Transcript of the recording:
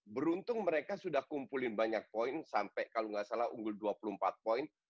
beruntung mereka sudah kumpulin banyak poin sampai kalau nggak salah unggul dua puluh empat poin